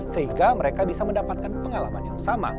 sehingga mereka bisa mendapatkan pengalaman yang sama